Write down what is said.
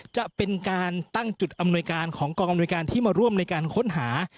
จะเป็นการตั้งจุดอำนวยการของกองอำนวยการที่มาร่วมในการค้นหา